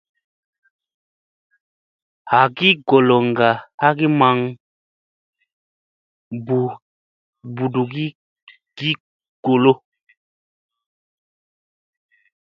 Hagi koloŋga haa maŋ ɓugigolo.